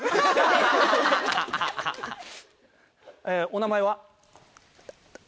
お名前は？